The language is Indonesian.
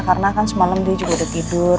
karena kan semalam dia juga udah tidur